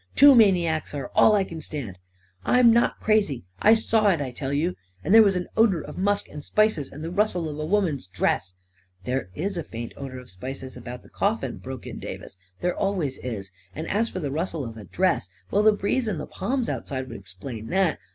Two maniacs are all I can stand ..."" I'm not crazy ! I saw it, I tell you ... and there was an odor of musk and spices ... and the rustle of a woman's dress ..."" There is a faint odor of spices about the coffin," broke in Davis; "there always is; and as for the rustle of a dress — well, the breeze in the palms outside would explain that."